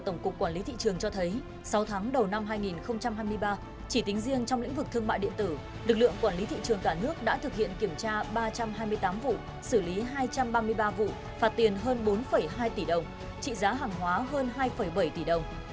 tổng cục quản lý thị trường cho thấy sáu tháng đầu năm hai nghìn hai mươi ba chỉ tính riêng trong lĩnh vực thương mại điện tử lực lượng quản lý thị trường cả nước đã thực hiện kiểm tra ba trăm hai mươi tám vụ xử lý hai trăm ba mươi ba vụ phạt tiền hơn bốn hai tỷ đồng trị giá hàng hóa hơn hai bảy tỷ đồng